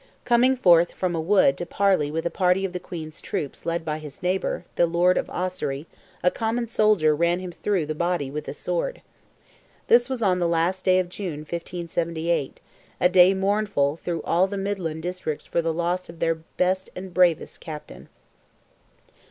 Coming forth from a wood to parley with a party of the Queen's troops led by his neighbour, the Lord of Ossory, a common soldier ran him through the body with a sword. This was on the last day of June, 1578—a day mournful through all the midland districts for the loss of their best and bravest captain.